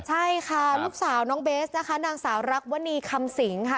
ใช่ค่ะลูกสาวน้องเบสนะคะนางสาวรักวนีคำสิงค่ะ